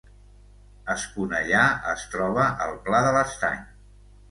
Esponellà es troba al Pla de l’Estany